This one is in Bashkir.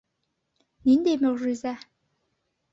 Ниндәй мөғжизә?